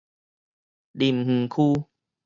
林園區